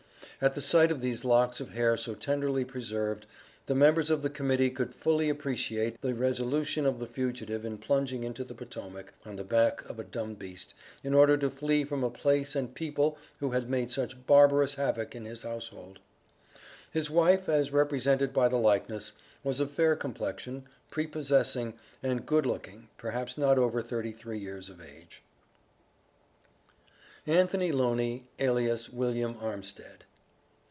At the sight of these locks of hair so tenderly preserved, the member of the Committee could fully appreciate the resolution of the fugitive in plunging into the Potomac, on the back of a dumb beast, in order to flee from a place and people who had made such barbarous havoc in his household. His wife, as represented by the likeness, was of fair complexion, prepossessing, and good looking perhaps not over thirty three years of age. ANTHONY LONEY, ALIAS WILLIAM ARMSTEAD.